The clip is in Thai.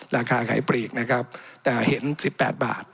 ราคาไขปลีกแต่เห็น๑๘บาท